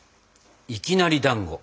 いきなりだんご。